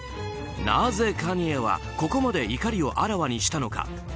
なぜカニエはここまで怒りをあらわにしたのか。